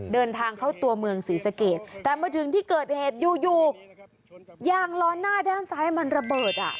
เดินทางเข้าตัวเมืองศรีสะเกดแต่มาถึงที่เกิดเหตุอยู่อยู่ยางล้อหน้าด้านซ้ายมันระเบิดอ่ะ